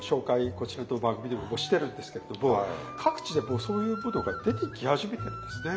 こちらの番組でもしてるんですけれども各地でもうそういうものが出てき始めてるんですね。